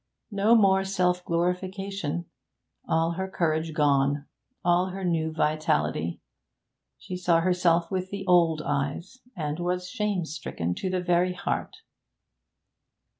No more self glorification! All her courage gone, all her new vitality! She saw herself with the old eyes, and was shame stricken to the very heart.